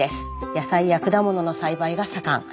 野菜や果物の栽培が盛ん。